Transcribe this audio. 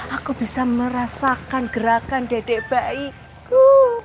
aku bisa merasakan gerakan dede bayiku